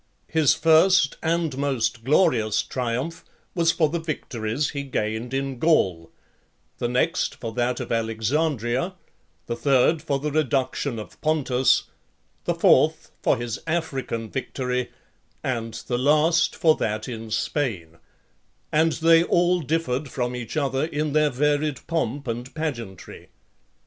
His first and most glorious triumph was for the victories he gained in Gaul; the next for that of Alexandria, the third for the reduction of Pontus, the fourth for his African victory, and the last for that in Spain; and (25) they all differed from each other in their varied pomp and pageantry.